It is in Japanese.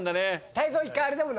泰造１回あれだもんな。